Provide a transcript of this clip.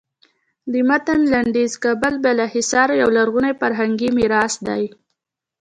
د متن لنډیز کابل بالا حصار یو لرغونی فرهنګي میراث دی.